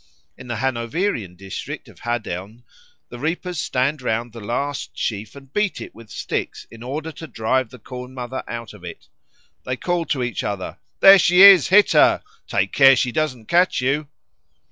In the Hanoverian district of Hadeln the reapers stand round the last sheaf and beat it with sticks in order to drive the Corn mother out of it. They call to each other, "There she is! hit her! Take care she doesn't catch you!"